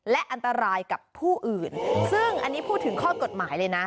และอันตรายกับผู้อื่นซึ่งอันนี้พูดถึงข้อกฎหมายเลยนะ